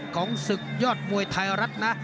ของศึกยอดมวยไทยรัฐนะ